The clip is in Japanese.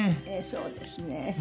そうですね。